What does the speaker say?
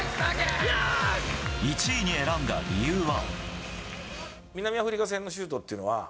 １位に選んだ理由は。